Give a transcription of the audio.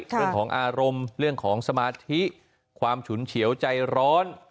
เรื่องของอารมณ์เรื่องของสมาธิความฉุนเฉียวใจร้อน